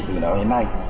từ đó đến nay